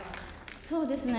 そうですね。